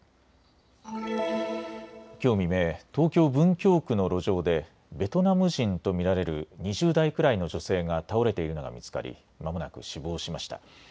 きょう未明、東京文京区の路上でベトナム人と見られる２０代くらいの女性が倒れているのが見つかりまもなく死亡しました。